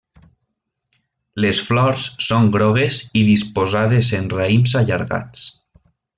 Les flors són grogues i disposades en raïms allargats.